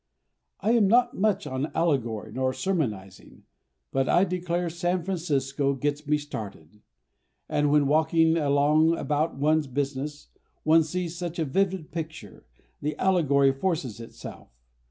I am not much on allegory nor sermonizing, but I declare San Francisco gets me started. And when walking along about one's business, one sees such a vivid picture, the allegory forces itself.